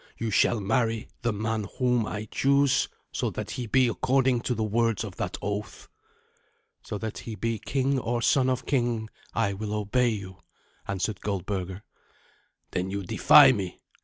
You shall marry the man whom I choose, so that he be according to the words of that oath." "So that he be king or son of a king, I will obey you," answered Goldberga. "Then you defy me.